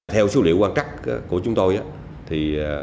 theo số liệu quan trọng của chúng tôi